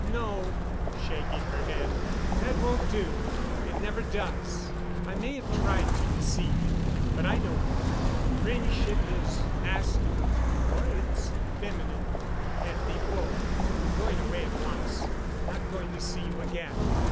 "No," shaking her head, "that won't do. It never does. I may have tried to deceive you, but I know better. Friendship is masculine—or it's feminine. It can't be both. I'm going away at once. I'm not going to see you again."